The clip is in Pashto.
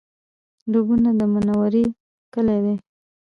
ډبونه د منورې کلی دی